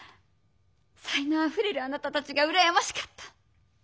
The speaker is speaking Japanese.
才のうあふれるあなたたちがうらやましかった。